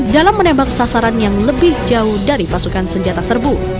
dalam menembak sasaran yang lebih jauh dari pasukan senjata serbu